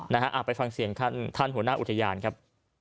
นะฮะไปฟังเสียงท่านหัวหน้าอุทยานครับ